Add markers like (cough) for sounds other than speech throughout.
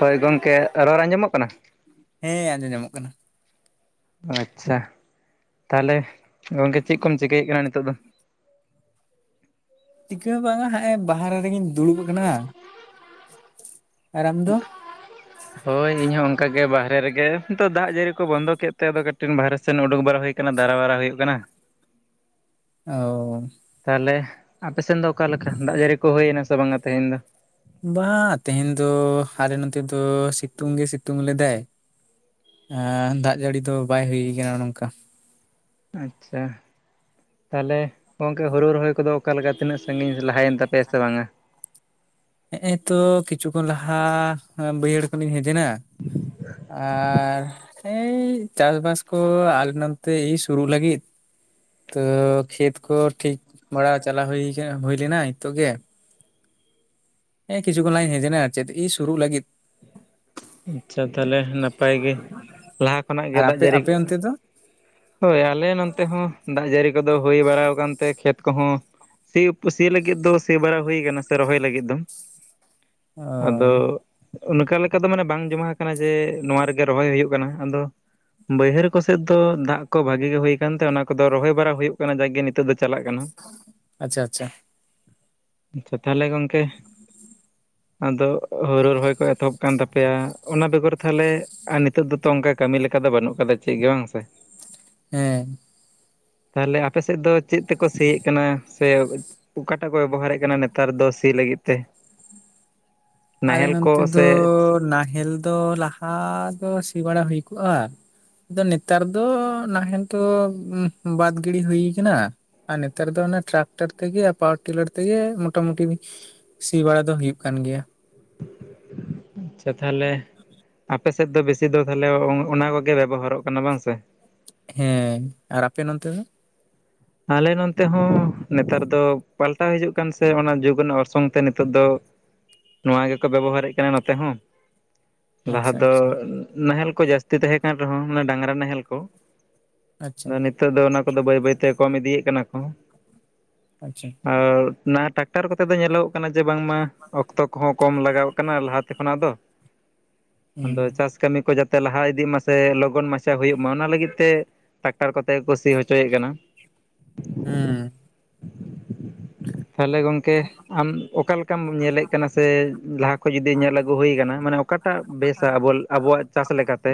ᱦᱳᱭ ᱜᱚᱝᱠᱮ ᱨᱚᱲ ᱟᱸᱡᱚᱢᱚᱜ ᱠᱟᱱᱟ? ᱦᱮᱸ ᱟᱸᱡᱚᱢ ᱧᱟᱢᱚᱜ ᱠᱟᱱᱟ᱾ ᱟᱪᱪᱷᱟ ᱛᱟᱦᱞᱮ ᱜᱚᱝᱠᱮ ᱪᱮᱫ ᱠᱚᱢ ᱪᱤᱠᱟᱹᱭᱮᱫ ᱠᱟᱱᱟ ᱱᱤᱛᱳᱜ ᱫᱚ? ᱪᱤᱠᱟᱹ ᱦᱚᱸ ᱵᱟᱝᱟ ᱦᱟᱸᱜᱼᱟᱭ ᱵᱟᱦᱟᱨᱮ ᱨᱮᱜᱮᱧ ᱫᱩᱲᱩᱵ ᱟᱠᱟᱱᱟ, ᱟᱨ ᱟᱢ ᱫᱚ? ᱦᱳᱭ ᱤᱧᱦᱚᱸ ᱚᱝᱠᱟ ᱜᱮ ᱵᱟᱦᱨᱮ ᱨᱮᱜᱮ, ᱛᱚ ᱫᱟᱜ ᱡᱟᱹᱲᱤ ᱠᱚ ᱵᱚᱱᱫᱚ ᱠᱮᱫ ᱛᱮ ᱟᱫᱚ ᱠᱟᱹᱴᱤᱡ ᱵᱟᱦᱨᱮ ᱥᱮᱫ ᱩᱰᱩᱠ ᱵᱟᱲᱟ ᱦᱳᱭ ᱠᱟᱱᱟ ᱫᱟᱨᱟ ᱵᱟᱨᱟ ᱦᱳᱭᱳᱜ ᱠᱟᱱᱟ᱾ ᱚᱻ᱾ ᱛᱟᱦᱚᱞᱮ ᱟᱯᱮ ᱥᱮᱱ ᱫᱚ ᱚᱠᱟ ᱞᱮᱠᱟ ᱫᱟᱜ ᱡᱟᱹᱲᱤ ᱠᱚ ᱦᱳᱭᱮᱱᱟ ᱥᱮ ᱵᱟᱝᱟ ᱛᱮᱦᱮᱧ ᱫᱚ? ᱵᱟᱝ ᱛᱮᱦᱮᱧ ᱫᱚ ᱟᱞᱮ ᱱᱚᱛᱮ ᱫᱚ ᱥᱤᱛᱩᱝ ᱜᱮ ᱥᱤᱛᱩᱝ ᱞᱮᱫᱟᱭ᱾ ᱟᱻ ᱫᱟᱜ ᱡᱟᱹᱲᱤ ᱫᱚ ᱵᱟᱭ ᱦᱩᱭ ᱠᱟᱱᱟ ᱱᱚᱝᱠᱟ᱾ ᱟᱪᱪᱷᱟ᱾ ᱛᱟᱦᱚᱞᱮ ᱜᱚᱝᱠᱮ ᱦᱳᱨᱳ ᱨᱚᱦᱚᱭ ᱠᱚᱫᱚ ᱚᱠᱟ ᱞᱮᱠᱟ ᱛᱤᱱᱟᱹᱜ ᱥᱟᱺᱜᱤᱧ ᱞᱟᱦᱟᱭᱮᱱ ᱛᱟᱯᱮᱭᱟ ᱥᱮ ᱵᱟᱝᱟ? ᱦᱮᱸᱜᱼᱮ ᱛᱚ ᱠᱤᱪᱷᱩ ᱠᱷᱚᱱ ᱞᱟᱦᱟ ᱵᱟᱹᱭᱦᱟᱹᱲ ᱤᱧ ᱦᱮᱡ ᱮᱱᱟ ᱟᱨ ᱮᱭ ᱪᱟᱥ ᱵᱟᱥ ᱠᱚ ᱟᱞᱮ ᱱᱚᱛᱮ ᱮᱭ ᱥᱩᱨᱩᱜ ᱞᱟᱹᱜᱤᱫ᱾ ᱛᱚ ᱠᱷᱮᱛ ᱠᱚ ᱴᱷᱤᱠ ᱵᱟᱲᱟ ᱪᱟᱞᱟᱣ ᱦᱩᱭ ᱟᱠᱟᱱᱟ ᱦᱩᱭ ᱞᱮᱱᱟ ᱦᱤᱸᱛᱚᱜ ᱜᱮ᱾ ᱦᱮᱸᱜᱼᱮ ᱠᱤᱪᱷᱩ ᱠᱷᱚᱱ ᱞᱟᱦᱟᱧ ᱦᱮᱡ ᱮᱱᱟ ᱟᱨ ᱪᱮᱫ ᱤ ᱥᱩᱨᱩᱜ ᱞᱟᱹᱜᱤᱫ᱾ ᱟᱪᱪᱷᱟ ᱛᱟᱦᱞᱮ ᱱᱟᱯᱟᱭ ᱜᱮ, ᱞᱟᱦᱟ ᱠᱷᱚᱱᱟᱜ ᱜᱮ ᱟᱨ ᱫᱟᱜ ᱟᱯᱮ ᱡᱟᱨᱤ ᱟᱯᱮ ᱚᱱᱛᱮ ᱫᱚ ᱦᱳᱭ ᱟᱞᱮ ᱱᱚᱛᱮ ᱦᱚᱸ ᱫᱟᱜ ᱡᱟᱹᱲᱤ ᱠᱚᱫᱚ ᱦᱩᱭ ᱵᱟᱲᱟᱣ ᱟᱠᱟᱱᱛᱮ ᱠᱷᱮᱛ ᱠᱚᱦᱚᱸ ᱥᱤ ᱩᱯᱮ ᱥᱤ ᱞᱟᱹᱜᱤᱫ ᱫᱚ ᱥᱤᱵᱟᱨᱟ ᱦᱩᱭ ᱟᱠᱟᱱᱟ ᱥᱮ ᱨᱚᱦᱚᱭ ᱞᱟᱹᱜᱤᱫ ᱫᱚ ᱚ ᱟᱫᱚ ᱚᱱᱠᱟ ᱞᱮᱠᱟ ᱫᱚ ᱢᱟᱱᱮ ᱵᱟᱝ ᱡᱚᱢᱟ ᱠᱟᱱᱟ ᱡᱮ ᱱᱚᱣᱟ ᱨᱮᱜᱮ ᱨᱚᱦᱚᱭ ᱦᱩᱭᱩᱜ ᱠᱟᱱᱟ ᱟᱫᱚ ᱵᱟᱹᱭᱦᱟᱹᱲ ᱠᱚᱥᱮᱫ ᱫᱚ ᱫᱟᱜ ᱠᱚ ᱵᱷᱟᱹᱜᱤ ᱜᱮ ᱦᱩᱭ ᱟᱠᱟᱱᱛᱮ ᱚᱱᱟ ᱠᱚᱫᱚ ᱨᱚᱦᱚᱭ ᱵᱟᱲᱟ ᱦᱩᱭᱩᱜ ᱠᱟᱱᱟ ᱡᱟᱜᱮ ᱱᱤᱛᱚᱜ ᱫᱚ ᱪᱟᱞᱟᱜ ᱠᱟᱱᱟ ᱟᱪᱪᱷᱟ ᱟᱪᱪᱷᱟ ᱟᱪᱪᱷᱟ ᱛᱟᱦᱞᱮ ᱜᱚᱝᱠᱮ ᱟᱫᱚ ᱦᱩᱲᱩ ᱨᱚᱦᱚᱭ ᱠᱚ ᱮᱛᱚᱦᱚᱵ ᱠᱟᱱ ᱛᱟᱯ ᱯᱮᱭᱟ ᱚᱱᱟ ᱵᱮᱜᱚᱨ ᱛᱟᱦᱚᱞᱮ ᱟᱨ ᱱᱤᱛᱚᱜ ᱫᱚᱛᱚ ᱚᱱᱠᱟ ᱠᱟᱹᱢᱤ ᱞᱮᱠᱟ ᱫᱚ ᱵᱟᱹᱱᱩᱜ ᱠᱟᱫᱟ ᱪᱮᱫ ᱜᱮ ᱵᱟᱝ ᱥᱮ ᱦᱮᱸ ᱛᱟᱦᱞᱮ ᱟᱯᱮ ᱥᱮᱫ ᱫᱚ ᱪᱮᱫ ᱛᱮᱠᱚ ᱥᱤᱭᱮᱫ ᱠᱟᱱᱟ ᱥᱮ ᱚᱠᱟᱴᱟᱜ ᱠᱚ ᱵᱮᱵᱚᱦᱟᱨᱮᱜ ᱠᱟᱱᱟ ᱱᱮᱛᱟᱨ ᱫᱚ ᱥᱤ ᱞᱟᱹᱜᱤᱫ ᱛᱮ ᱟᱞᱮ ᱱᱟᱦᱮᱞ ᱱᱚᱱᱛᱮ ᱠᱚ ᱥᱮ ᱫᱚ ᱱᱟᱦᱮᱞ ᱫᱚ ᱞᱟᱦᱟ ᱫᱚ ᱥᱤ ᱵᱟᱲᱟ ᱦᱩᱭ ᱠᱚᱜᱼᱟ ᱟᱫᱚ ᱱᱮᱛᱟᱨ ᱫᱚ ᱱᱟᱦᱮᱞ ᱫᱚ ᱵᱟᱫᱽ ᱜᱤᱰᱤ ᱦᱩᱭ ᱠᱟᱱᱟ ᱟᱨ ᱱᱮᱛᱟᱨ ᱫᱚ ᱚᱱᱮ ᱴᱨᱟᱠᱴᱟᱨ ᱛᱮᱜᱮ ᱯᱟᱣᱟᱨ ᱴᱤᱞᱟᱨ ᱛᱮᱜᱮ ᱢᱚᱴᱟᱢᱩᱴᱤ ᱥᱤ ᱵᱟᱲᱟ ᱫᱚ ᱦᱩᱭᱩᱜ ᱠᱟᱱ ᱜᱮᱭᱟ ᱟᱪᱪᱷᱟ ᱛᱟᱦᱞᱮ ᱟᱯᱮ ᱥᱮᱫ ᱫᱚ ᱵᱮᱥᱤ ᱫᱚ ᱛᱟᱦᱞᱮ ᱚᱱᱟ ᱠᱚᱜᱮ ᱵᱮᱵᱚᱦᱟᱨᱚᱜ ᱠᱟᱱᱟ ᱵᱟᱝ ᱥᱮ᱾ ᱦᱮᱸ ᱟᱨ ᱟᱯᱮ ᱱᱚᱱᱛᱮ ᱫᱚ ᱟᱞᱮ ᱱᱚᱱᱛᱮ ᱦᱚᱸ ᱱᱮᱛᱟᱨ ᱫᱚ ᱯᱟᱞᱴᱟᱣ ᱦᱤᱡᱩᱜ ᱠᱟᱱ ᱥᱮ ᱚᱱᱟ ᱡᱩᱜᱽ ᱨᱮᱱᱟᱜ ᱚᱨᱥᱚᱝ ᱛᱮ ᱱᱤᱛᱚᱜ ᱫᱚ ᱱᱚᱣᱟ ᱜᱮᱠᱚ ᱵᱮᱵᱚᱦᱟᱨᱮᱜ ᱠᱟᱱᱟ ᱱᱚᱛᱮ ᱦᱚᱸ ᱞᱟᱦᱟ ᱟᱪᱪᱷᱟ ᱫᱚ ᱟᱪᱪᱷᱟ ᱱᱟᱦᱮᱞ ᱠᱚ ᱡᱟᱹᱥᱛᱤ ᱛᱟᱦᱮᱸ ᱠᱟᱱ ᱨᱮᱦᱚᱸ ᱢᱟᱱᱮ ᱰᱟᱝᱨᱟ ᱱᱟᱦᱮᱞ ᱠᱚ ᱟᱪᱪᱷᱟ ᱟᱫᱚ ᱱᱤᱛᱚᱜ ᱫᱚ ᱚᱱᱟ ᱠᱚᱫᱚ ᱵᱟᱹᱭ ᱵᱟᱹᱭ ᱛᱮ ᱠᱚᱢ ᱤᱫᱤᱭᱮᱜ ᱠᱟᱱᱟ ᱠᱚ᱾ ᱟᱪᱪᱷᱟ ᱟᱨ ᱱᱟ ᱴᱟᱠᱴᱟᱨ ᱠᱚᱛᱮ ᱫᱚ ᱧᱮᱞᱚᱜᱚᱜ ᱠᱟᱱᱟ ᱡᱮ ᱵᱟᱝ ᱢᱟ ᱚᱠᱛᱚ ᱠᱚᱦᱚᱸ ᱠᱚᱢ ᱞᱟᱜᱟᱣ ᱠᱟᱱᱟ ᱞᱟᱦᱟᱛᱮ ᱠᱷᱚᱱᱟᱜ ᱫᱚ ᱦᱩᱸ ᱟᱫᱚ ᱪᱟᱥ ᱠᱟᱹᱢᱤ ᱠᱚ ᱡᱟ ᱛᱮ ᱞᱟᱦᱟ ᱤᱫᱤᱜ ᱢᱟᱥᱮ ᱞᱚᱜᱚᱱ ᱢᱟᱪᱷᱟ ᱦᱩᱭᱩᱜ ᱢᱟ ᱚᱱᱟ ᱞᱟᱹᱜᱤᱫ ᱛᱮ ᱴᱟᱠᱴᱟᱨ ᱠᱚᱛᱮ ᱜᱮᱠᱚ ᱥᱤ ᱦᱚᱪᱚᱭᱮᱜ ᱠᱟᱱᱟ ᱦᱩᱸ ᱛᱟᱦᱞᱮ ᱜᱚᱝᱠᱮ ᱟᱢ ᱚᱠᱟ ᱞᱮᱠᱟᱢ ᱧᱮᱞᱮᱜ ᱠᱟᱱᱟ ᱥᱮ ᱞᱟᱦᱟ ᱠᱷᱚᱱᱚᱡ ᱡᱩᱫᱤ ᱧᱮᱞ ᱟᱹᱜᱩ ᱦᱩᱭᱠ ᱢᱟᱱᱮ ᱚᱠᱟ ᱴᱟᱜ ᱵᱮᱥᱟ ᱟ ᱟᱵᱚᱣᱟᱜ ᱪᱟᱥ ᱞᱮᱠᱟᱛᱮ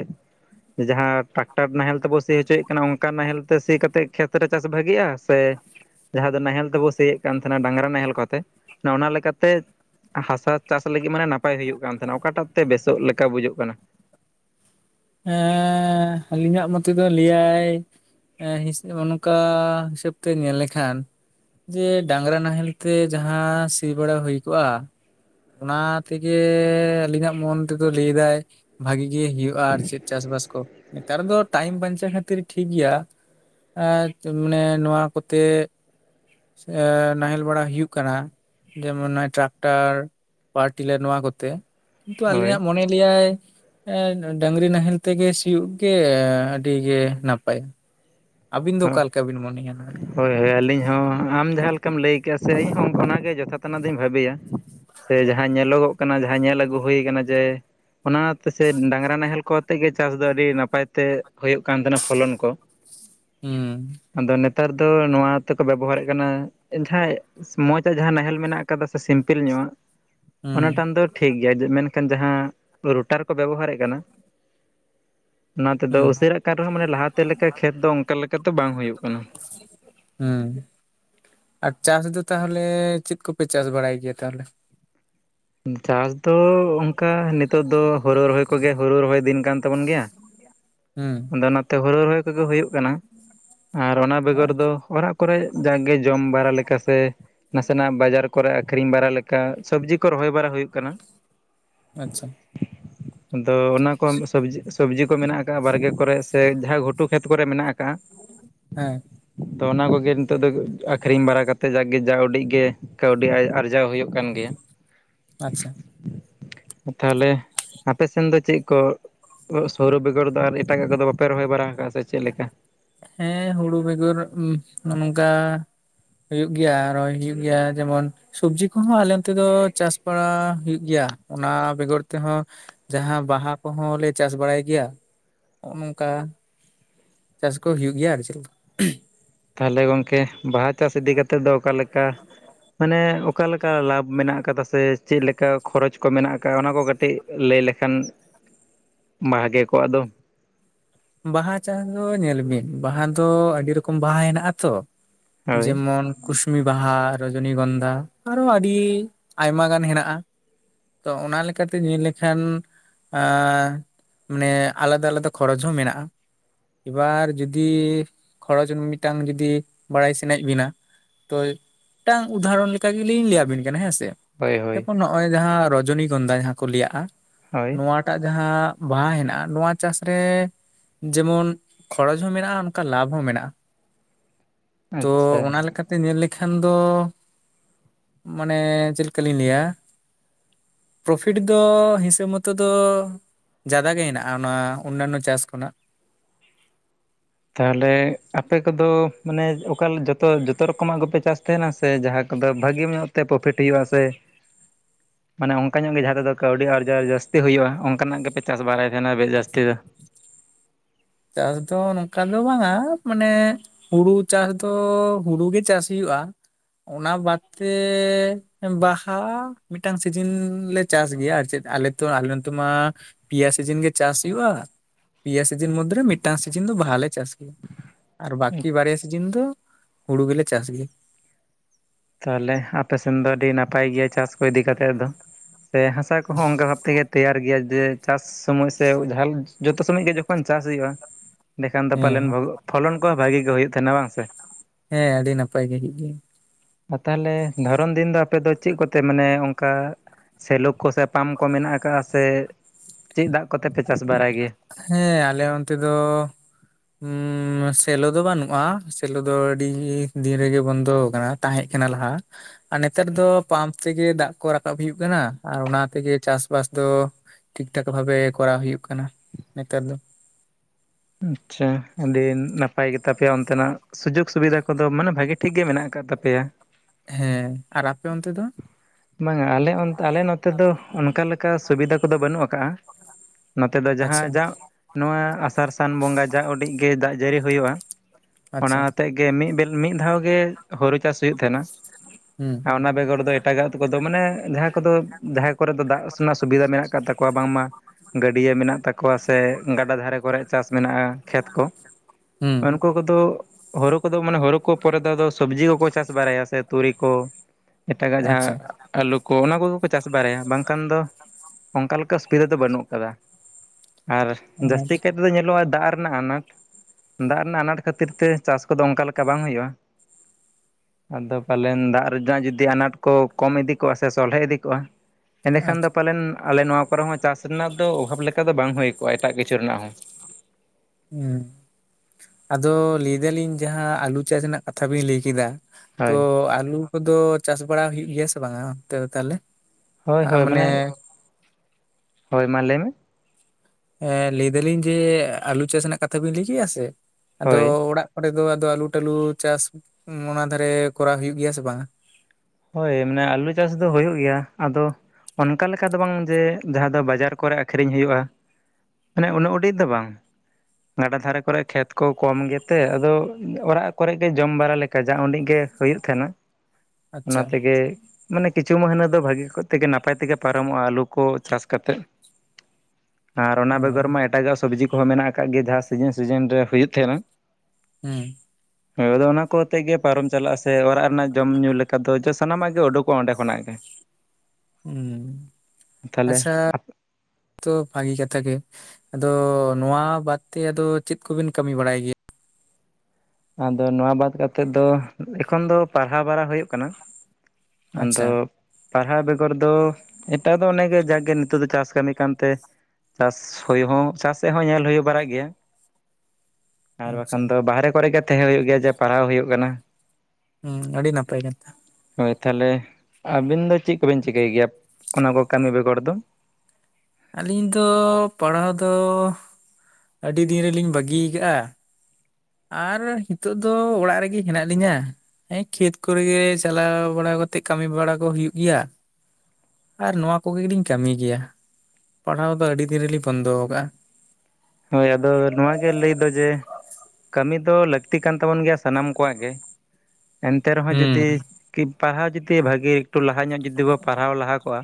ᱡᱟᱦᱟᱸ ᱴᱨᱟᱠᱴᱟᱨ ᱱᱟᱦᱮᱞ ᱛᱮᱵᱚᱡ ᱥᱤ ᱦᱚᱪᱚᱭᱮᱫ ᱠᱟᱱᱟ ᱚᱱᱠᱟ ᱱᱟᱦᱮᱞ ᱛᱮ ᱥᱤ ᱠᱟᱛᱮᱜ ᱠᱷᱮᱛ ᱨᱮ ᱪᱟᱥ ᱵᱷᱟᱹᱜᱤᱜᱼᱟ ᱥᱮ ᱡᱟᱦᱟᱸ ᱫᱚ ᱱᱟᱦᱮᱞ ᱛᱮᱵᱚ ᱥᱤᱭᱮᱫ ᱠᱟᱱ ᱛᱟᱦᱮᱱᱟ ᱰᱟᱝᱨᱟ ᱱᱟᱦᱮᱞ ᱠᱚᱛᱮ ᱚᱱᱟ ᱞᱮᱠᱟᱛᱮ ᱦᱟᱥᱟ ᱪᱟᱥ ᱞᱟᱹᱜᱤᱫ ᱢᱟᱱᱮ ᱱᱟᱯᱟᱭ ᱦᱩᱭᱩᱜ ᱠᱟᱱ ᱛᱟᱦᱮᱱᱟ ᱚᱠᱟᱴᱟᱜ ᱛᱮ ᱵᱮᱥᱚᱜ ᱞᱮᱠᱟ ᱵᱩᱡᱩᱜ ᱠᱟᱱᱟ᱾ ᱮᱸ ᱟᱞᱤᱧᱟᱜ ᱢᱚᱛ ᱛᱮᱫᱚ ᱞᱟᱹᱭᱟᱭ ᱚᱱᱠᱟ ᱦᱤᱥᱟᱹᱵ ᱛᱮ ᱧᱮᱞ ᱞᱮᱠᱷᱟᱱ ᱡᱮ ᱰᱟᱝᱨᱟ ᱱᱟᱦᱮᱞ ᱛᱮ ᱡᱟᱦᱟᱸ ᱥᱤ ᱵᱟᱲᱟ ᱦᱩᱭ ᱠᱚᱜᱼᱟ ᱚᱱᱟ ᱛᱮᱜᱮ ᱟᱹᱞᱤᱧᱟᱜ ᱢᱚᱱ ᱛᱮᱫᱚ ᱞᱟᱹᱭᱫᱟᱭ ᱵᱷᱟᱜᱤ ᱜᱮ ᱦᱩᱭᱩᱜᱼᱟ ᱟᱨ ᱪᱮᱫ ᱪᱟᱥᱵᱟᱥ ᱠᱚ ᱱᱮᱛᱟᱨ ᱫᱚ ᱴᱟᱭᱤᱢ ᱵᱟᱧᱪᱟᱣ ᱠᱷᱟᱹᱛᱤᱨ ᱴᱷᱤᱠ ᱜᱮᱭᱟ ᱟᱨ ᱢᱟᱱᱮ ᱱᱚᱣᱟ ᱠᱚᱛᱮ ᱮᱸ ᱱᱟᱦᱮᱞ ᱵᱟᱲᱟ ᱦᱩᱭᱩᱜ ᱠᱟᱱᱟ ᱡᱮᱢᱚᱱ ᱱᱚᱜ ᱴᱨᱟᱠᱴᱟᱨ ᱯᱟᱨ ᱴᱤᱞᱟᱨ ᱱᱚᱣᱟ ᱠᱚᱛᱮ ᱠᱤᱱᱛᱩ ᱦᱳᱭ ᱟᱞᱤᱧᱟᱜ ᱢᱚᱱᱮ ᱞᱮᱭᱟᱭ ᱮᱸ ᱰᱟᱹᱟᱝᱨᱤ ᱱᱟᱦᱮᱞ ᱛᱮᱜᱮ ᱥᱤᱭᱳᱜ ᱜᱮ ᱟᱹᱰᱤ ᱜᱮ ᱱᱟᱯᱟᱭᱟ ᱟᱹᱵᱤᱱ ᱫᱚ ᱦᱳᱭ ᱚᱠᱟᱞᱮᱠᱟ ᱵᱤᱱ ᱢᱚᱱᱮᱭᱟᱱ ᱦᱟᱸᱜ ᱦᱳᱭ ᱦᱳᱭ ᱟᱹᱞᱤᱧ ᱦᱚᱸ ᱟᱢ ᱡᱟᱦᱟᱸ ᱞᱮᱠᱟᱢ ᱞᱟᱹᱭ ᱠᱮᱜ-ᱟ ᱥᱮ ᱤᱧ ᱦᱚᱸ ᱚᱱᱟᱜ ᱜᱮ ᱡᱚᱛᱷᱟᱛᱱᱟᱜ ᱫᱚᱧ ᱵᱷᱟᱹᱵᱤᱭᱟ ᱥᱮ, ᱡᱟᱦᱟᱸ ᱧᱮᱞᱚᱜᱚᱜ ᱠᱟᱱᱟ, ᱡᱟᱦᱟᱸ ᱧᱮᱞ ᱟᱹᱜᱩ ᱦᱩᱭ ᱠᱟᱱᱟ, ᱡᱮ ᱚᱱᱟ ᱛᱮ ᱥᱮ, ᱰᱟᱝᱨᱟ ᱱᱟᱦᱮᱞ ᱠᱚ ᱟᱛᱮ ᱜᱮ, ᱪᱟᱥ ᱫᱚ, ᱟᱹᱰᱤ ᱱᱟᱯᱟᱭ ᱛᱮ, ᱦᱩᱭᱩᱜ ᱠᱟᱱ ᱛᱟᱦᱮᱱᱟ, ᱯᱷᱚᱞᱚᱱ ᱠᱚ ᱦᱩᱸᱻ ᱾ ᱟᱫᱚ, ᱱᱮᱛᱟᱨ ᱫᱚ, ᱱᱚᱣᱟ ᱦᱚᱸᱛᱮ ᱠᱚ, ᱵᱮᱵᱚᱦᱟᱨᱮᱫ ᱠᱟᱱᱟ, ᱡᱟᱦᱟᱸᱭ ᱢᱚᱸᱡᱽ ᱛᱮ, ᱡᱟᱦᱟᱸᱭ ᱦᱟᱜ, ᱱᱟᱦᱮᱞ ᱢᱮᱱᱟᱜ ᱟᱠᱟᱫᱟ ᱥᱮ, ᱥᱤᱢᱯᱤᱞ ᱧᱚᱜᱟᱜ, ᱚᱱᱟ ᱦᱩᱸ ᱴᱟᱱ ᱫᱚ, ᱴᱷᱤᱠ ᱜᱮᱭᱟ, ᱢᱮᱱ ᱮᱠᱷᱟᱱ, ᱡᱟᱦᱟᱸ ᱨᱩᱴᱟᱨ ᱠᱚ, ᱵᱮᱵᱚᱦᱟᱨᱮᱜ ᱠᱟᱱᱟ ᱚᱱᱟ ᱛᱮᱫᱚ, ᱦᱩᱸ ᱩᱥᱟᱹᱨᱟᱜ ᱠᱟᱱ ᱨᱮᱦᱚᱸ, ᱢᱟᱱᱮ, ᱞᱟᱦᱟᱛᱮ ᱞᱮᱠᱟ, ᱠᱷᱮᱛ ᱫᱚ, ᱚᱱᱠᱟ ᱞᱮᱠᱟᱛᱮ, ᱵᱟᱝ ᱦᱩᱭᱩᱜ ᱠᱟᱱᱟ ᱾ (unintelligible) ᱦᱩᱸᱻ ᱾ ᱟᱨ ᱪᱟᱥ ᱫᱚ, ᱛᱟᱦᱚᱞᱮ, ᱪᱮᱫ? ᱠᱚᱯᱮ, ᱪᱟᱥ ᱵᱟᱲᱟᱭ ᱜᱮᱭᱟ, ᱛᱟᱦᱚᱞᱮ ᱩᱸᱻ ᱪᱟᱞ ᱛᱚ ᱚᱱᱠᱟ, ᱱᱤᱛᱚᱜ ᱫᱚ, ᱦᱩᱲᱩ ᱨᱚᱦᱚᱭ ᱠᱚᱜᱮ, ᱦᱩᱲᱩ ᱨᱚᱦᱚᱭ ᱫᱤᱱ ᱠᱟᱱ, ᱛᱟᱵᱚᱱ ᱜᱮᱭᱟ ᱾ ᱦᱩᱸ ᱟᱫᱚ, ᱚᱱᱟᱛᱮ, ᱦᱩᱲᱩ ᱨᱦᱚᱭ ᱠᱚᱜᱮ, ᱦᱩᱭᱩᱜ ᱠᱟᱱᱟ, ᱟᱨ ᱚᱱᱟ, ᱵᱮᱜᱚᱨ ᱫᱚ ᱚᱨᱟᱜ ᱠᱚᱨᱮ, ᱡᱟᱜᱽ ᱜᱮ, ᱡᱚᱢ ᱵᱟᱨᱟ, ᱞᱮᱠᱟ ᱥᱮ ᱱᱟᱥᱮᱱᱟᱜ ᱵᱟᱡᱟᱨ ᱠᱚᱨᱮ, ᱟᱹᱠᱷᱨᱤᱧ ᱵᱟᱨᱟ ᱞᱮᱠᱟ, ᱥᱚᱵᱡᱤ ᱠᱚ ᱨᱚᱦᱚᱭ ᱵᱟᱨᱟ, ᱦᱩᱭᱩᱜ ᱠᱟᱱᱟ ᱾ ᱟᱪᱪᱷᱟ ᱾ ᱟᱫᱚ, ᱚᱱᱟ ᱠᱚ ᱥᱚᱵᱡᱤ, ᱥᱚᱵᱡᱤ ᱠᱚ, ᱢᱮᱱᱟᱜ ᱟᱠᱟᱜᱼᱟ, ᱵᱟᱲᱜᱮ ᱠᱚᱨᱮ ᱥᱮ, ᱡᱟᱦᱟᱸ ᱜᱷᱩᱴᱩ ᱠᱷᱮᱛ ᱠᱚᱨᱮ, ᱢᱮᱱᱟᱜ ᱟᱠᱟᱜᱼᱟ ᱾ ᱦᱮᱸᱻ ᱾ ᱛᱚ, ᱚᱱᱟ ᱠᱚᱜᱮ, ᱱᱤᱛᱚᱜᱜ ᱫᱚ, ᱟᱠᱷᱨᱤᱧ ᱵᱟᱨᱟ ᱠᱟᱛᱮᱫ, ᱡᱟᱜᱮ, ᱡᱟ ᱩᱰᱤᱡ ᱜᱮ ᱠᱟᱹᱣᱰᱤ, ᱟᱨᱡᱟᱣ ᱦᱩᱭᱩᱜ ᱠᱟᱱ ᱜᱮᱭᱟ ᱾ ᱟᱪᱪᱷᱟ ᱾ ᱛᱟᱦᱚᱞᱮ, ᱟᱯᱮ ᱥᱮᱱ ᱫᱚ, ᱪᱮᱫ ᱠᱚ? ᱚ ᱥᱟᱣᱨᱩ ᱵᱮᱜᱚᱨ ᱫᱚ, ᱟᱨ ᱮᱴᱟᱜ ᱜᱟᱜ ᱠᱚᱫᱚ, ᱵᱟᱯᱮ ᱨᱚᱦᱚᱭ ᱵᱟᱲᱟ ᱟᱠᱟᱫᱼᱟ, ᱥᱮ ᱪᱮᱫ ᱞᱮᱠᱟ ᱾ ᱦᱮᱸᱻ, ᱦᱩᱲᱩ ᱵᱮᱜᱚᱨ, ᱩᱸᱜ ᱱᱚᱝᱠᱟ ᱦᱩᱭᱩᱜ ᱜᱮᱭᱟ, ᱟᱨᱚ ᱦᱩᱭᱩᱜ ᱜᱮᱭᱟ, ᱡᱮᱢᱚᱱ ᱥᱚᱵᱽᱡᱤ ᱠᱚᱦᱚᱸ, ᱟᱞᱮ ᱚᱱᱛᱮ ᱫᱚ, ᱪᱟᱥ ᱵᱟᱲᱟ ᱦᱩᱭᱩᱜ ᱜᱮᱭᱟ ᱾ ᱚᱱᱟ ᱵᱮᱜᱚᱨ ᱛᱮᱦᱚᱸ, ᱡᱟᱦᱟᱸ ᱵᱟᱦᱟ ᱠᱚᱦᱚᱸ ᱞᱮ, ᱪᱟᱥ ᱵᱟᱲᱟᱭ ᱜᱮᱭᱟ, ᱱᱚᱜ ᱱᱚᱝᱠᱟ ᱪᱟᱥ ᱠᱚ, ᱦᱩᱭᱩᱜ ᱜᱮᱭᱟ ᱾ ᱟᱨ ᱪᱮᱫ ᱞᱮᱠᱟ? ᱠᱷ-ᱩᱸᱷ-ᱦ ᱾ ᱛᱟᱦᱚᱞᱮ ᱜᱚᱝᱠᱮ, ᱵᱟᱦᱟ ᱪᱟᱥ ᱤᱫᱤ ᱠᱟᱛᱮᱫ ᱫᱚ, ᱚᱠᱟᱞ ᱞᱮᱠᱟ? ᱢᱟᱱᱮ, ᱚᱠᱟᱞᱮ ᱞᱮᱠᱟ, ᱞᱟᱵᱷ ᱢᱮᱱᱟᱜ ᱟᱠᱟᱫᱟ, ᱥᱮ, ᱪᱮᱫ ᱞᱮᱠᱟ ᱠᱷᱚᱨᱚᱪ ᱠᱚ, ᱢᱮᱱᱟᱜ ᱟᱠᱟᱫ, ᱚᱱᱟ ᱠᱚ, ᱠᱟᱹᱴᱤᱡ ᱞᱟᱹᱭ ᱞᱮᱠᱷᱟᱱ ᱵᱷᱟᱜᱮ ᱠᱚᱣᱟᱜ ᱫᱚ ᱵᱟᱦᱟ ᱪᱟᱥ ᱫᱚ, ᱧᱮᱞ ᱵᱤᱱ, ᱵᱟᱦᱟ ᱫᱚ, ᱟᱹᱰᱤ ᱨᱚᱠᱚᱢ ᱵᱟᱦᱟ ᱦᱮᱱᱟᱜᱼᱟ ᱛᱚ, ᱦᱳᱭ ᱡᱮᱢᱚᱱ ᱠᱩᱥᱢᱤ ᱵᱟᱦᱟ, ᱨᱚᱡᱚᱱᱤᱜᱚᱱᱫᱷᱟ ᱟᱨᱚ, ᱟᱹᱰᱤ ᱟᱭᱢᱟ ᱜᱟᱱ, ᱦᱮᱱᱟᱜᱼᱟ ᱾ ᱛᱚ, ᱚᱱᱟ ᱞᱮᱠᱟᱛᱮ, ᱧᱮᱞ ᱞᱮᱠᱷᱟᱱ, ᱟᱼ ᱢᱟᱱᱮ, ᱟᱞᱟᱫᱟ ᱟᱞᱟᱫᱟ, ᱠᱷᱚᱨᱚᱪ ᱦᱚᱸ ᱢᱮᱱᱟᱜᱼᱟ ᱾ ᱮᱵᱟᱨ ᱡᱩᱫᱤ, ᱠᱷᱚᱨᱚᱪ ᱢᱤᱫᱴᱟᱝ, ᱡᱩᱫᱤ ᱵᱟᱲᱟᱭ ᱥᱟᱱᱟᱭᱮᱫ ᱵᱤᱱᱟ ᱛᱳᱭ, ᱢᱤᱫᱴᱟᱝ ᱩᱫᱷᱟᱦᱚᱨᱚᱱ ᱞᱮᱠᱟ ᱜᱮᱞᱤᱧ, ᱞᱟᱹᱭ ᱟᱵᱤᱱ ᱠᱟᱱᱟ, ᱦᱮᱸ ᱥᱮ ᱦᱳᱭ ᱾ ᱦᱳᱭ (unintelligible) ᱱᱚᱜᱚᱭ ᱡᱟᱦᱟᱸ ᱨᱚᱡᱚᱱᱤ ᱜᱚᱸᱫᱷᱟ ᱡᱟᱦᱟᱸ ᱠᱚ, ᱞᱟᱹᱭ ᱭᱟᱜᱼᱟ, ᱦᱳᱭ ᱱᱚᱣᱟ ᱴᱟᱜ, ᱡᱟᱦᱟᱸ ᱵᱟᱦᱟ ᱦᱮᱱᱟᱜᱼᱟ, ᱱᱚᱣᱟ ᱪᱟᱥ ᱨᱮ ᱡᱮᱢᱚᱱ, ᱠᱷᱚᱨᱚᱪ ᱦᱚᱸ ᱢᱮᱱᱟᱜᱼᱟ, ᱚᱱᱠᱟ ᱞᱟᱵᱷ ᱦᱚᱸ ᱢᱮᱱᱟᱜᱼᱟ, ᱛᱚ ᱟᱪᱪᱷᱟ ᱚᱱᱟ ᱞᱮᱠᱟᱛᱮ, ᱛᱮ, ᱧᱮᱞ ᱞᱮᱠᱷᱟᱱ ᱫᱚ, ᱢᱟᱱᱮ, ᱪᱮᱫ ᱞᱮᱠᱟᱞᱤᱧ ᱞᱟᱹᱭᱟ? ᱯᱨᱚᱯᱷᱤᱴ ᱫᱚ, ᱦᱤᱥᱟᱹᱵᱽ ᱢᱚᱛᱚ ᱫᱚ, ᱡᱟᱫᱟ ᱜᱮ, ᱦᱮᱱᱟᱜᱼᱟ, ᱚᱱᱟ, ᱚᱱᱟᱚᱱᱟ ᱪᱟᱥ ᱠᱷᱚᱱᱟᱜ ᱛᱟᱦᱚᱞᱮ ᱟᱯᱮ ᱠᱚᱫᱚ ᱢᱟᱱᱮ ᱚᱠᱟ ᱡᱚᱛᱚ ᱡᱚᱛᱚ ᱨᱚᱠᱚᱢᱟᱜ ᱜᱮᱯᱮ ᱪᱟᱥ ᱛᱟᱦᱮᱱᱟ ᱥᱮ ᱥᱮ ᱡᱟᱦᱟᱸ ᱠᱚᱫᱚ ᱵᱷᱟᱜᱮ ᱧᱚᱜ ᱛᱮ ᱯᱨᱚᱯᱷᱤᱴ ᱦᱩᱭᱩᱜᱼᱟ ᱥᱮ ᱢᱟᱱᱮ ᱚᱱᱠᱟ ᱧᱚᱜ ᱜᱮ ᱡᱟᱦᱟᱸ ᱛᱮᱫᱚ ᱠᱟᱹᱣᱰᱤ ᱟᱨᱡᱟᱣ ᱡᱟᱹᱥᱛᱤ ᱦᱩᱭᱩᱜᱼᱟ ᱚᱱᱠᱟᱱᱟᱜ ᱜᱮᱯᱮ ᱪᱟᱥ ᱵᱟᱲᱟᱭ ᱛᱟᱦᱮᱱᱟ ᱵᱮᱥ ᱡᱟᱹᱥᱛᱤ ᱫᱚ ᱪᱟᱥ ᱫᱚ ᱱᱚᱝᱠᱟ ᱫᱚ ᱵᱟᱝᱟ ᱢᱟᱱᱮ ᱦᱩᱲᱩ ᱪᱟᱥ ᱫᱚ ᱦᱩᱲᱩ ᱜᱮ ᱪᱟᱥ ᱦᱩᱭᱩᱜᱼᱟ ᱚᱱᱟ ᱵᱟᱫᱛᱮ ᱵᱟᱦᱟ ᱢᱤᱫᱴᱟᱝ ᱥᱤᱡᱤᱱ ᱞᱮ ᱪᱟᱥ ᱜᱮᱭᱟ ᱟᱨ ᱪᱮᱫ ᱟᱞᱮ ᱟᱞᱮ ᱱᱤᱛᱚᱜ ᱢᱟ ᱯᱮᱭᱟ ᱥᱤᱡᱤᱱ ᱜᱮ ᱪᱟᱥ ᱦᱩᱭᱩᱜᱼᱟ ᱯᱮᱭᱟ ᱥᱤᱡᱤᱱ ᱢᱚᱫᱽ ᱢᱤᱫᱴᱟᱝ ᱥᱤᱡᱤᱱ ᱫᱚ ᱵᱟᱦᱟ ᱞᱮ ᱪᱟᱥ ᱜᱮᱭᱟ ᱟᱨ ᱵᱟᱠᱤ ᱵᱟᱨᱭᱟ ᱥᱤᱡᱤᱱ ᱫᱚ ᱦᱩᱲᱩ ᱜᱮᱞᱮ ᱪᱟᱥ ᱜᱮᱭᱟ ᱛᱟᱦᱚᱞᱮ ᱟᱯᱮ ᱥᱮᱱ ᱫᱚ ᱟᱹᱰᱤ ᱱᱟᱯᱟᱭ ᱜᱮᱭᱟ ᱪᱟᱥ ᱠᱚ ᱤᱫᱤ ᱠᱟᱛᱮᱫ ᱫᱚ ᱥᱮ ᱦᱟᱥᱟ ᱠᱚᱦᱚᱸ ᱚᱱᱠᱟ ᱵᱷᱟᱵ ᱛᱮᱜᱮ ᱛᱮᱭᱟᱨ ᱜᱮᱭᱟ ᱡᱮ ᱪᱟᱥ ᱥᱳᱚᱢᱚᱭ ᱥᱮ ᱡᱟᱦᱟᱸ ᱡᱚᱛᱚ ᱥᱚᱢᱚᱭ ᱜᱮ ᱡᱚᱠᱷᱚᱱ ᱪᱟᱥ ᱦᱩᱭᱩᱜᱼᱟ ᱮᱸᱱᱮᱠᱷᱟᱱ ᱫᱚ ᱦᱮᱸ ᱯᱟᱞᱮᱱ ᱯᱷᱚᱞᱚᱱ ᱠᱚᱦᱚᱸ ᱵᱷᱟᱜᱤ ᱜᱮ ᱦᱩᱭᱩᱜ ᱛᱟᱦᱮᱱᱟ ᱵᱟᱝ ᱥᱮ ᱦᱮᱸ ᱟᱹᱰᱤ ᱱᱟᱯᱟᱭ ᱜᱮ ᱦᱩᱭᱩᱜ ᱜᱮᱭᱟ ᱛᱟᱦᱚᱞᱮ ᱫᱷᱟᱨᱚᱱ ᱫᱤᱱ ᱫᱚ ᱟᱯᱮ ᱫᱚ ᱪᱮᱫ ᱠᱚᱛᱮ ᱢᱟᱱᱮ ᱚᱱᱠᱟ ᱥᱮᱞᱳ ᱠᱚᱥᱮ ᱯᱟᱢᱯ ᱠᱚ ᱢᱮᱱᱟᱜ ᱟᱠᱟᱜ ᱥᱮ ᱪᱮᱫ ᱫᱟᱜ ᱠᱚᱛᱮ ᱯᱮ ᱪᱟᱥ ᱵᱟᱲᱟᱭ ᱜᱮᱭᱟ ᱦᱮᱸ ᱟᱞᱮ ᱚᱱᱛᱮ ᱫᱚ ᱥᱮᱞᱚ ᱫᱚ ᱵᱟᱹᱱᱩᱜᱼᱟ ᱥᱮᱞᱚ ᱫᱚ ᱟᱹᱰᱤ ᱫᱤᱱ ᱨᱮᱜᱮ ᱵᱚᱱᱫᱚ ᱟᱠᱟᱱᱟ ᱛᱟᱦᱮᱸᱜ ᱠᱟᱱᱟ ᱞᱟᱦᱟ ᱟᱨ ᱱᱮᱛᱟᱨ ᱫᱚ ᱯᱟᱢᱯ ᱛᱮᱜᱮ ᱫᱟᱜ ᱠᱚ ᱨᱟᱠᱟᱵ ᱦᱩᱭᱩᱜ ᱠᱟᱱᱟ ᱟᱨ ᱚᱱᱟ ᱛᱮᱜᱮ ᱪᱟᱥᱵᱟᱥ ᱫᱚ ᱴᱷᱤᱠ ᱴᱷᱟᱠ ᱵᱷᱟᱵᱮ ᱠᱚᱨᱟᱣ ᱦᱩᱭᱩᱜ ᱠᱟᱱᱟ ᱱᱮᱛᱟᱨ ᱫᱚ ᱟᱪᱷᱟ ᱟᱹᱰᱤ ᱱᱟᱯᱟᱭ ᱜᱮᱛᱟᱯᱮᱭᱟ ᱚᱱᱛᱮᱱᱟᱜ ᱥᱩᱡᱳᱜᱽ ᱥᱩᱵᱤᱫᱷᱟ ᱠᱚᱫᱚ ᱢᱟᱱᱮ ᱵᱷᱟᱜᱮ ᱴᱷᱤᱠ ᱜᱮ ᱢᱮᱱᱟᱜ ᱟᱠᱟᱫ ᱛᱟᱯᱮᱭᱟ ᱦᱮᱸ ᱟᱨ ᱟᱯᱮ ᱚᱱᱛᱮ ᱫᱚ ᱵᱟᱝᱟ ᱟᱞᱮ ᱟᱞᱮ ᱱᱚᱛᱮ ᱫᱚ ᱚᱱᱠᱟ ᱞᱮᱠᱟ ᱥᱩᱵᱤᱫᱷᱟ ᱠᱚᱫᱚ ᱵᱟᱹᱱᱩᱜ ᱟᱠᱟᱜ ᱟ ᱱᱚᱛᱮ ᱫᱚ ᱟᱪᱪᱷᱟ ᱡᱟᱦᱟᱸ ᱡ ᱱᱚᱣᱟ ᱟᱥᱟᱨ ᱥᱟᱱ ᱵᱚᱸᱜᱟ ᱡᱟ ᱩᱰᱤᱡ ᱜᱮ ᱫᱟᱜ ᱡᱟᱹᱲᱤ ᱦᱩᱭᱩᱜᱼᱟ ᱚᱱᱟ ᱟᱪᱪᱷᱟ ᱟᱛᱮ ᱜᱮ ᱢᱤᱫᱵᱤᱞ ᱢᱤᱫ ᱫᱷᱟᱣ ᱜᱮ ᱦᱳᱲᱩ ᱪᱟᱥ ᱦᱩᱭᱩᱜ ᱛᱟᱦᱮᱱᱟ ᱦᱩᱸ ᱟᱨ ᱚᱱᱟ ᱵᱮᱜᱚᱨ ᱫᱚ ᱮᱴᱟᱜᱟᱜ ᱠᱚᱫᱚ ᱢᱟᱱᱮ ᱡᱟᱦᱟᱸ ᱠᱚᱫᱚ ᱡᱟᱦᱟᱸ ᱠᱚᱨᱮ ᱫᱚ ᱫᱟᱜ ᱨᱮᱱᱟᱜ ᱥᱩᱵᱤᱫᱷᱟ ᱢᱮᱱᱟᱜ ᱟᱠᱟᱜ ᱛᱟᱠ ᱵᱟᱝᱢᱟ ᱜᱟᱹᱰᱭᱟᱹ ᱢᱮᱱᱟᱜ ᱛᱟᱠᱚᱣᱟ ᱥᱮ ᱜᱟᱰᱟ ᱫᱷᱟᱨᱮ ᱠᱚᱨᱮ ᱪᱟᱥ ᱢᱮᱱᱟᱜᱼᱟ ᱠᱷᱮᱛ ᱠᱚ ᱦᱩᱸ ᱩᱱᱠᱩ ᱠᱚᱫᱚ ᱦᱩᱲᱩ ᱠᱚᱫᱚ ᱢᱟᱱᱮ ᱦᱩᱲᱩ ᱠᱚ ᱯᱚᱨᱮ ᱫᱚ ᱥᱚᱵᱽᱡᱤ ᱠᱚᱠᱚ ᱪᱟᱥ ᱵᱟᱲᱟᱭᱟ ᱥᱮ ᱛᱩᱲᱤ ᱠᱚ ᱮᱴᱟᱜᱟᱜ ᱡᱟᱦᱟᱸ ᱟᱪᱪᱷᱟ ᱟᱞᱩ ᱠᱚ ᱚᱱᱟ ᱠᱚᱜᱮ ᱠᱚ ᱪᱟᱥ ᱵᱟᱲᱟᱭᱟ ᱵᱟᱝᱠᱷᱟᱱ ᱫᱚ ᱚᱱᱠᱟ ᱞᱮᱠᱟ ᱚᱥᱩᱵᱤᱫᱟ ᱫᱚ ᱵᱟᱹᱱᱩᱜ ᱟᱠᱟᱫᱟ ᱟᱨ ᱡᱟᱹᱥᱛᱤ ᱠᱟᱭ ᱛᱮᱫᱚ ᱧᱮᱞᱚᱜᱼᱟ ᱫᱟᱜ ᱨᱮᱱᱟᱜ ᱟᱱᱟᱴ ᱫᱟᱜ ᱨᱮᱱᱟᱜ ᱟᱱᱟᱴ ᱠᱷᱟᱹᱛᱤᱨ ᱛᱮ ᱪᱟᱥ ᱠᱚᱫᱚ ᱚᱱᱠᱟ ᱞᱮᱠᱟ ᱵᱟᱝ ᱦᱩᱭᱩᱜᱼᱟ ᱟᱫᱚ ᱯᱟᱞᱮᱱ ᱫᱟᱜ ᱨᱮᱱᱟᱜ ᱡᱩᱫᱤ ᱟᱱᱟᱴ ᱠᱚ ᱠᱚᱢ ᱤᱫᱤ ᱠᱚᱜᱼᱟ ᱥᱮ ᱥᱚᱞᱦᱮ ᱤᱫᱤ ᱠᱚᱜᱼᱟ ᱮᱸᱱᱮᱠᱷᱟᱱ ᱫᱚ ᱟᱪᱪᱷᱟ ᱯᱟᱞᱮᱱ ᱟᱞᱮ ᱱᱚᱣᱟ ᱠᱚᱨᱮ ᱦᱚᱸ ᱪᱟᱥ ᱨᱮᱱᱟᱜ ᱫᱚ ᱚᱵᱷᱟᱵᱽ ᱞᱮᱠᱟ ᱫᱚ ᱵᱟᱝ ᱦᱩᱭ ᱠᱚᱜᱼᱟ ᱮᱴᱟᱜ ᱠᱤᱪᱷᱩ ᱨᱮᱱᱟᱜ ᱦᱚᱸ ᱦᱮᱸ ᱟᱫᱚ ᱞᱟᱹᱭᱫᱟᱞᱤᱧ ᱡᱟᱦᱟᱸ ᱟᱹᱞᱩ ᱪᱟᱥ ᱨᱮᱱᱟᱜ ᱠᱟᱛᱷᱟ ᱵᱤᱱ ᱞᱟᱹᱭ ᱠᱮᱫᱟ ᱛᱚ ᱦᱳᱭ ᱟᱹᱞᱩ ᱠᱚᱫᱚ ᱪᱟᱥ ᱵᱟᱲᱟ ᱦᱩᱭᱩᱜ ᱜᱮᱭᱟ ᱥᱮ ᱵᱟᱝᱟ ᱚᱱᱛᱮ ᱫᱚ ᱛᱟᱦᱚᱞᱮ ᱦᱳᱭ ᱟ ᱦᱳᱭ ᱢᱟᱱᱮ ᱦᱳᱭ ᱢᱟ ᱞᱟᱹᱭᱢᱮ ᱦᱮᱸ ᱞᱟᱹᱭ ᱫᱟᱞᱤᱧ ᱡᱮ ᱟᱞᱩ ᱪᱟᱥ ᱨᱮᱱᱟᱜ ᱠᱟᱛᱷᱟ ᱵᱮᱤᱱ ᱞᱟᱹᱭ ᱠᱮᱫᱼᱟ ᱥᱮ ᱟᱫᱚ ᱦᱳᱭ ᱚᱲᱟᱜ ᱚᱸᱰᱮ ᱫᱚ ᱟᱫᱚ ᱟᱞᱩ ᱴᱟᱞᱩ ᱪᱟᱥ ᱚᱱᱟ ᱫᱷᱟᱨᱮ ᱠᱚᱨᱟᱣ ᱦᱩᱭᱩᱜ ᱜᱮᱭᱟ ᱥᱮ ᱵᱟᱝᱟ ᱦᱳᱭ ᱢᱟᱱᱮ ᱟᱹᱞᱩ ᱪᱟᱥ ᱫᱚ ᱦᱩᱭᱩᱜ ᱜᱮᱭᱟ ᱟᱫᱚ ᱚᱱᱠᱟ ᱞᱮᱠᱟ ᱫᱚ ᱵᱟᱝ ᱡᱮ ᱡᱟᱦᱟᱸ ᱫᱚ ᱵᱟᱡᱟᱨ ᱠᱚᱨᱮ ᱟᱠᱠᱷᱨᱤᱧ ᱦᱩᱭᱩᱜᱼᱟ ᱢᱟᱱᱮ ᱩᱱᱟᱹᱜ ᱩᱸᱤᱡ ᱫᱚ ᱵᱟᱝ ᱾ ᱜᱟᱰᱟ ᱫᱷᱟᱨᱮ ᱠᱚᱨᱮ ᱠᱷᱮᱛ ᱠᱚ ᱠᱚᱢ ᱜᱮᱛᱮ ᱟᱫᱚ ᱚᱲᱟᱜ ᱠᱚᱨᱮ ᱜᱮ ᱡᱚᱢ ᱵᱟᱲᱟ ᱞᱮᱠ ᱠᱟᱡᱟ ᱩᱸᱰᱤᱜ ᱜᱮ ᱦᱩᱭᱩᱜ ᱛᱟᱦᱮᱱᱟ ᱚᱱᱟ ᱟᱪᱪᱷᱟ ᱛᱮᱜᱮ ᱢᱟᱱᱮ ᱠᱤᱪᱷᱩ ᱢᱟᱹᱦᱱᱟᱹ ᱫᱚ ᱵᱷᱟᱹᱜᱤ ᱠᱚ ᱛᱮᱜᱮ ᱱᱟᱯᱟᱭ ᱛᱮᱜᱮ ᱯᱟᱨᱚᱢᱚᱜᱼᱟ ᱟᱹᱞᱩ ᱠᱚ ᱪᱟᱥ ᱠᱟᱛᱮᱜ ᱾ ᱟᱨ ᱚᱱᱟ ᱚ ᱵᱮᱜᱚᱨ ᱢᱟ ᱮᱴᱟᱜᱟᱜ ᱥᱚᱵᱽᱡᱤ ᱠᱚᱦᱚᱸ ᱢᱮᱱᱟᱜ ᱟᱠᱟᱜ ᱜᱮ ᱡᱟᱦᱟᱸ ᱥᱤᱡᱤᱱ ᱥᱤᱡᱤᱱ ᱨᱮ ᱦᱩᱭᱩᱜ ᱛᱟᱦᱮᱱᱟ ᱾ ᱦᱮᱸ᱾ ᱦᱚᱭ ᱟᱫᱚ ᱚᱱᱟ ᱠᱚᱛᱮ ᱜᱮ ᱯᱟᱨᱚᱢ ᱪᱟᱞᱟᱜ ᱟᱥᱮ ᱚᱲᱟᱜ ᱨᱮᱱᱟᱜ ᱡᱚᱢ ᱧᱩ ᱞᱮᱠᱟ ᱫᱚ ᱡᱟᱹᱥ ᱥᱟᱱᱟᱢᱟᱜ ᱜᱮ ᱚᱸᱰᱚᱠᱚᱜᱼᱟ ᱚᱸᱰᱮ ᱠᱷᱚᱱᱟᱜ ᱜᱮ ᱦᱩᱸ ᱾ ᱛᱟᱦᱚᱞᱮ ᱟᱪᱪᱷᱟ ᱟᱯᱮ ᱛᱚ ᱵᱷᱟᱹᱜᱤ ᱠᱟᱛᱷᱟ ᱜᱮ ᱾ ᱟᱫᱚ ᱱᱚᱣᱟ ᱵᱟᱫᱽ ᱛᱮ ᱟᱫᱚ ᱪᱮᱫ ᱠᱚᱵᱤᱱ ᱠᱟᱹᱢᱤ ᱵᱟᱲᱟᱭ ᱜᱮᱭᱟ? ᱟᱫᱚ ᱱᱚᱣᱟ ᱵᱟᱫᱽ ᱠᱟᱛᱮᱜ ᱫᱚ ᱮᱠᱷᱚᱱ ᱫᱚ ᱯᱟᱲᱦᱟᱣ ᱵᱟᱲᱟ ᱦᱩᱭᱩᱜ ᱠᱟᱱᱟ ᱾ ᱟᱫᱚ ᱟᱪᱪᱷᱟ ᱯᱟᱨᱦᱟ ᱵᱮᱜᱚᱨ ᱫᱚ ᱮᱴᱟᱜ ᱫᱚ ᱚᱱᱮ ᱜᱮ ᱡᱟᱠ ᱜᱮ ᱱᱤᱛᱚᱜ ᱫᱚ ᱪᱟᱥ ᱠᱟᱹᱢᱤ ᱠᱟᱱ ᱛᱮ ᱪᱟᱥ ᱦᱩᱭ ᱦᱚᱸ ᱪᱟᱥᱮᱫ ᱦᱚᱸ ᱧᱮᱞ ᱦᱩᱭ ᱵᱟᱲᱟᱜ ᱜᱮᱭᱟ ᱟᱨ ᱟᱪᱪᱷᱟ ᱵᱟᱠᱷᱟᱱ ᱫᱚ ᱵᱟᱦᱨᱮ ᱠᱚᱨᱮ ᱜᱮ ᱛᱟᱦᱮᱸ ᱦᱩᱭᱩᱜ ᱜᱮᱭᱟ ᱡᱮ ᱯᱟᱲᱦᱟᱣ ᱦᱩᱭᱩᱜ ᱠᱟᱱᱟ ᱾ ᱦᱩᱸ ᱟᱹᱰᱤ ᱱᱟᱯᱟᱭ ᱠᱟᱛᱷᱟ ᱦᱚᱭ ᱛᱟᱦᱚᱞᱮ ᱟᱹᱵᱤᱱ ᱫᱚ ᱪᱮᱫ ᱠᱚᱵᱤᱱ ᱪᱤᱠᱟᱹᱭ ᱜᱮᱭᱟ ᱚᱱᱟ ᱠᱚ ᱠᱟᱹᱢᱤ ᱵᱮᱜᱚᱨ ᱫᱚ? ᱟᱹᱞᱤᱧ ᱫᱚ ᱯᱟᱲᱦᱟᱣ ᱫᱚ ᱟᱹᱰᱤ ᱫᱤᱱ ᱨᱮᱞᱤᱧ ᱵᱟᱹᱜᱤᱭᱟᱠᱟᱜᱼᱟ ᱾ ᱟᱨ ᱦᱤᱛᱚᱜ ᱫᱚ ᱚᱲᱟᱜ ᱨᱮᱜᱮ ᱦᱮᱱᱟᱜ ᱞᱤᱧᱟᱹ ᱦᱮᱸ ᱠᱷᱮᱛ ᱠᱚᱨᱮ ᱜᱮ ᱪᱟᱞᱟᱣ ᱵᱟᱲᱟ ᱠᱟᱛᱮᱜ ᱠᱟᱹᱢᱤ ᱵᱟᱲᱟ ᱠᱚ ᱦᱩᱭᱩᱜ ᱜᱮᱭᱟ ᱾ ᱟᱨ ᱱᱚᱣᱟ ᱠᱚᱜᱮᱞᱤᱧ ᱠᱟᱹᱢᱤ ᱜᱮᱭᱟ ᱯᱟᱲᱦᱟᱣ ᱫᱚ ᱟᱹᱰᱤ ᱫᱤᱱ ᱨᱮᱞᱤᱧ ᱵᱚᱱᱫᱚ ᱟᱠᱟᱟᱜᱼᱟ ᱾ ᱦᱚᱭ ᱟᱫᱚ ᱱᱚᱣᱟ ᱜᱮ ᱞᱟᱹᱭ ᱫᱚ ᱡᱮ ᱠᱟᱹᱢᱤ ᱫᱚ ᱞᱟᱹᱠᱛᱤ ᱠᱟᱱ ᱛᱟᱵᱚᱱ ᱜᱮᱭᱟ ᱥᱟᱱᱟᱢ ᱠᱚᱣᱟᱜ ᱜᱮ ᱾ ᱮᱱᱛᱮ ᱨᱮᱦᱚᱸ ᱦᱩᱸ ᱡᱩᱫᱤ ᱠᱤ ᱯᱟᱲᱦᱟᱣ ᱡᱩᱫᱤ ᱵᱷᱟᱹᱜᱤ ᱮᱠᱴᱩ ᱞᱟᱦᱟ ᱧᱚᱜ ᱡᱩᱫᱤ ᱵᱚ ᱯᱟᱲᱦᱟᱣ ᱞᱟᱦᱟ ᱠᱚᱜᱼᱟ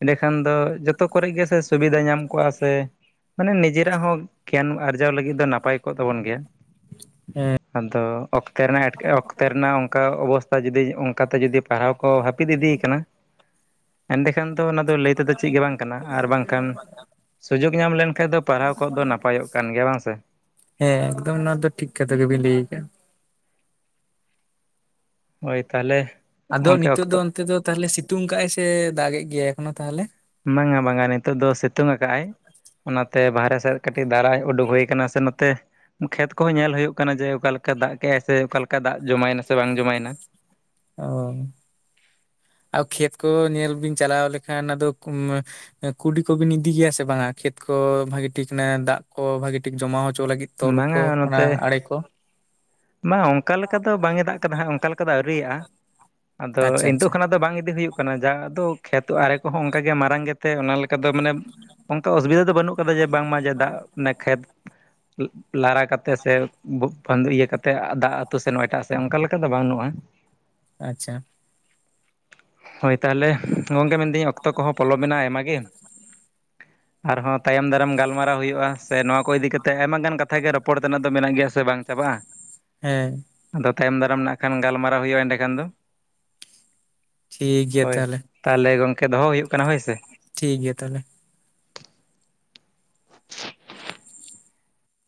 ᱮᱸᱰᱮᱠᱷᱟᱱ ᱫᱚ ᱡᱚᱛᱚ ᱠᱚᱨᱮᱜ ᱜᱮᱥᱮ ᱥᱩᱵᱤᱫᱷᱟ ᱧᱟᱢ ᱠᱚᱜᱼᱟ ᱥᱮ ᱾ ᱢᱟᱱᱮ ᱱᱤᱡᱮᱨᱟᱜ ᱦᱚᱸ ᱜᱮᱭᱟᱱ ᱟᱨᱡᱟᱣ ᱞᱟᱹᱜᱤᱫ ᱫᱚ ᱱᱟᱯᱟᱭ ᱠᱚᱜ ᱛᱟᱵᱚᱱ ᱜᱮᱭᱟ ᱟᱫᱚ ᱚᱠᱛᱮ ᱨᱮᱱᱟᱜ ᱮᱴᱠ ᱚᱠᱛᱮ ᱨᱮᱱᱟᱜ ᱚᱱᱠᱟ ᱚᱵᱚᱥᱛᱟ ᱡᱩᱫᱤ ᱚᱱᱠᱟ ᱛᱮ ᱡᱩᱫᱤ ᱯᱟᱲᱦᱟᱣ ᱠᱚ ᱦᱟᱹᱯᱤᱫ ᱤᱫᱤ ᱟᱠᱟᱱᱟ ᱮᱸᱰᱮ ᱠᱷᱟᱱ ᱫᱚ ᱚᱱᱟ ᱫᱚ ᱞᱟᱹᱭ ᱛᱮᱫᱚ ᱪᱮᱫ ᱜᱮ ᱵᱟᱝ ᱠᱟᱱᱟ ᱟᱨ ᱵᱟᱝᱠᱷᱟᱱ ᱥᱩᱡᱳᱜᱽ ᱧᱟᱢ ᱞᱮᱱᱠᱷᱟᱡ ᱫᱚ ᱯᱟᱲᱦᱟᱣ ᱠᱚᱜ ᱫᱚ ᱱᱟᱯᱟᱭᱚᱜ ᱠᱟᱱ ᱜᱮᱭᱟ ᱵᱟᱝ ᱥᱮ ᱾ ᱦᱮᱸ ᱮᱠᱫᱚᱢ ᱱᱚᱣᱟ ᱫᱚ ᱴᱷᱤᱠ ᱠᱟᱛᱷᱟ ᱜᱮᱵᱤᱱ ᱞᱟᱹᱭ ᱟᱠᱟᱜᱼᱟ ᱾ ᱦᱚᱭ ᱛᱟᱦᱟᱞᱮ ᱟᱫᱚ ᱱᱤᱛᱚᱜ ᱫᱚ ᱚᱱᱛᱮ ᱫᱚ ᱛᱟᱦᱚᱞᱮ ᱥᱤᱛᱩᱝ ᱠᱟᱜᱟᱭ ᱥᱮ ᱫᱟᱜ ᱮᱫ ᱜᱮᱭᱟᱭ ᱮᱠᱷᱚᱱᱳ ᱛᱟᱦᱚᱞᱮ? ᱵᱟᱝᱟ ᱵᱟᱝᱟ ᱱᱤᱛᱚᱜ ᱫᱚ ᱥᱤᱛᱩᱝ ᱟᱠᱟᱜᱼᱟᱭ ᱾ ᱚᱱᱟᱛᱮ ᱵᱟᱦᱨᱮ ᱥᱮᱫ ᱨᱮ ᱠᱟᱹᱴᱤᱡ ᱫᱷᱟᱨᱟᱭ ᱩᱰᱩᱠ ᱦᱩᱭ ᱟᱠᱟᱱᱟ ᱥᱮ ᱱᱚᱛᱮ ᱾ ᱠᱷᱮᱛ ᱠᱚᱦᱚᱸ ᱧᱮᱞ ᱦᱩᱭᱩᱜ ᱠᱟᱱᱟ ᱡᱮ ᱚᱠᱟᱞᱮᱠᱟ ᱫᱟᱜ ᱠᱮᱜᱼᱟᱭ ᱥᱮ ᱚᱠᱟᱞᱮ ᱞᱮᱠᱟ ᱫᱟᱜ ᱡᱚᱢᱟᱭᱮᱱᱟ ᱥᱮ ᱵᱟᱝ ᱡᱚᱢᱟᱭᱮᱱᱟ ᱾ ᱚ ᱟᱨ ᱠᱷᱮᱛ ᱠᱚ ᱧᱮᱞ ᱵᱤᱱ ᱪᱟᱞᱟᱣ ᱞᱮᱠᱷᱟᱱ ᱟᱫᱚ (unintelligible) ᱠᱩᱰᱤ ᱠᱚᱵᱤᱱ ᱤᱫᱤ ᱜᱮᱭᱟ ᱥᱮ ᱵᱟᱝᱟ ᱠᱷᱮᱛ ᱠᱚ ᱵᱷᱟᱹᱜᱤ ᱴᱷᱤᱠ ᱱᱟᱜ ᱫᱟᱜ ᱠᱚ ᱵᱷᱟᱹᱜᱤ ᱴᱷᱤᱠ ᱡᱚᱢᱟ ᱦᱚᱪᱚ ᱞᱟᱹᱜᱤᱫ ᱾ ᱛᱚᱞ ᱠᱚ ᱵᱟᱝᱟ ᱚᱱᱟ ᱱᱚᱛᱮ ᱟᱲᱮ ᱠᱚ ᱾ ᱵᱟᱝ ᱚᱱᱠᱟ ᱞᱮᱠᱟ ᱫᱚ ᱵᱟᱝ ᱮ ᱫᱟᱜ ᱟᱠᱟᱫᱟ ᱦᱟᱸᱜ ᱚᱱᱠᱟ ᱞᱮᱠᱟ ᱫᱚ ᱟᱹᱣᱤᱭᱟᱜᱼᱟ ᱟᱫᱚ ᱟᱪᱪᱷᱟ ᱤᱱᱛᱩᱚᱜ ᱟᱪᱪᱷᱟ ᱠᱚᱱᱟᱜ ᱫᱚ ᱵᱟᱝ ᱤᱫᱤ ᱦᱩᱭᱩᱜ ᱠᱟᱱᱟ ᱡᱟᱦᱟᱸ ᱫᱚ ᱠᱷᱮᱛᱚ ᱟᱨᱮ ᱠᱚᱦᱚᱸ ᱚᱱᱠᱟ ᱜᱮ ᱢᱟᱨᱟᱝ ᱜᱮ ᱛᱮ ᱚᱱᱟ ᱞᱮᱠᱟ ᱫᱚ ᱢᱟᱱᱮ ᱚᱱᱠᱟ ᱚᱥᱩᱵᱤᱫᱷᱟ ᱫᱚ ᱵᱟᱹᱱᱩᱜ ᱠᱟᱫᱟ ᱡᱮ ᱵᱟᱝᱢᱟ ᱡᱮ ᱫᱟᱜ ᱚᱱᱮ ᱠᱷᱮᱛ ᱞᱟᱨᱟ ᱠᱟᱛᱮᱜ ᱥᱮ (unintelligible) ᱤᱭᱟᱹ ᱠᱟᱛᱮᱫ ᱫᱟᱜ ᱟᱹᱛᱩ ᱥᱮᱱ ᱮᱴᱟᱜ ᱥᱮᱫ ᱚᱱᱠᱟ ᱞᱮᱠᱟ (unintelligible) ᱫᱚ ᱵᱟᱹᱱᱩᱜᱼᱟ ᱾ ᱟᱪᱪᱷᱟ ᱾ ᱦᱚᱭ ᱾ ᱛᱟᱦᱞᱮ ᱜᱚᱝᱠᱮ ᱢᱮᱱᱫᱤᱧ ᱚᱠᱛᱚ ᱠᱚᱦᱚᱸ ᱯᱚᱞᱚ ᱢᱮᱱᱟᱜ ᱟᱭᱢᱟ ᱜᱮ, ᱟᱨᱦᱚᱸ ᱛᱟᱭᱚᱢ ᱫᱟᱨᱟᱢ ᱜᱟᱞᱢᱟᱨᱟᱣ ᱦᱩᱭᱩᱜ-ᱟ ᱥᱮ ᱱᱚᱣᱟ ᱠᱚ ᱤᱫᱤ ᱠᱟᱛᱮᱫ ᱟᱭᱢᱟ ᱜᱟᱱ ᱠᱟᱛᱷᱟᱜ ᱜᱮ ᱨᱚᱯᱚᱲ ᱛᱮᱱᱟᱜ ᱫᱚ ᱢᱮᱱᱟᱜ ᱜᱮᱭᱟ ᱥᱮ ᱵᱟᱝ ᱪᱟᱵᱟᱜ-ᱟ᱾ ᱦᱮᱸ᱾ ᱟᱫᱚ ᱛᱟᱭᱚᱢ ᱫᱟᱨᱟᱢ ᱱᱟᱜ ᱠᱷᱟᱱ ᱜᱟᱞᱢᱟᱨᱟᱣ ᱦᱩᱭᱩᱜ-ᱟ ᱮᱸᱰᱮ ᱠᱷᱟᱱ ᱫᱚ᱾ ᱴᱷᱤᱠ ᱜᱮᱭᱟ ᱦᱳᱭ ᱛᱟᱦᱚᱞᱮ ᱛᱟᱦᱞᱮ ᱜᱚᱝᱠᱮ ᱫᱚᱦᱚ ᱦᱩᱭᱩᱜ ᱠᱟᱱᱟ ᱦᱳᱭ ᱥᱮ᱾ ᱴᱷᱤᱠ ᱜᱮᱭᱟ ᱛᱟᱦᱞᱮ᱾